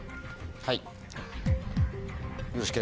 はい。